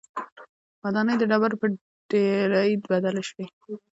ودانۍ د ډبرو پر ډېرۍ بدلې شوې